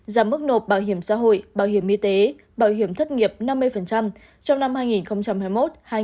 giảm mức nộp bảo hiểm xã hội bảo hiểm y tế bảo hiểm thất nghiệp năm mươi trong năm hai nghìn hai mươi một hai nghìn hai mươi